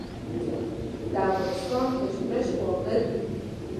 د افغانستان کشمش خواږه دي.